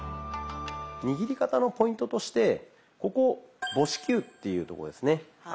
握り方のポイントとしてここ母指球っていうとこですね。